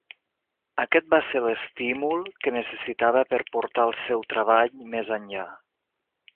Aquest va ser l'estímul que necessitava per portar el seu treball més enllà.